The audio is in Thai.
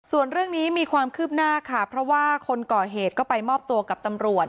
ส่วนเรื่องนี้มีความคืบหน้าค่ะเพราะว่าคนก่อเหตุก็ไปมอบตัวกับตำรวจ